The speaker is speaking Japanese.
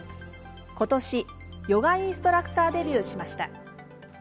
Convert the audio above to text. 今年、ヨガインストラクターデビューしました。